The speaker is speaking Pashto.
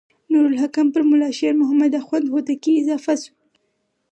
نور الحکم پر ملا شیر محمد اخوند هوتکی اضافه شو.